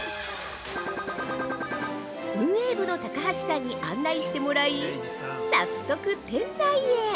運営部の高橋さんに案内してもらい、早速、店内へ。